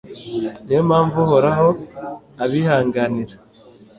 ni yo mpamvu uhoraho abihanganira